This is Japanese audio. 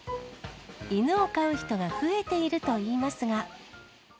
犬を飼う人が増えているといいますが。